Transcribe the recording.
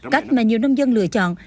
cách mà nhiều nông dân lựa chọn